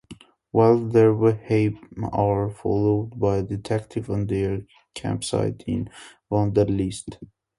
While there, they are followed by a detective and their campsite is vandalized.